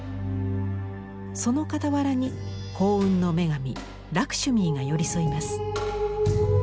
その傍らに幸運の女神ラクシュミーが寄り添います。